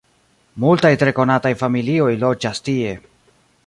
Multaj tre konataj familioj loĝas tie.